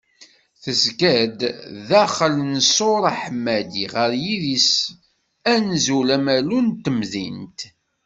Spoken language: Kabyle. Tezga-d daxel n ssur aḥemmadi ɣer yidis Anẓul-Amalu n temdint.